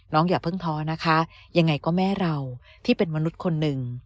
อย่าเพิ่งท้อนะคะยังไงก็แม่เราที่เป็นมนุษย์คนหนึ่ง